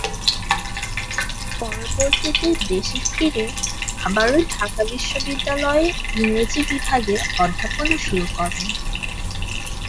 পরবর্তীতে দেশে ফিরে আবারো ঢাকা বিশ্ববিদ্যালয়ে ইংরেজি বিভাগে অধ্যাপনা শুরু করেন।